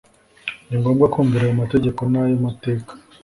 ni ngombwa kumvira ayo mategeko n'ayo mateka